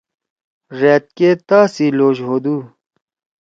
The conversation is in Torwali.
ڙأت کے تا سی لوش ہودُو۔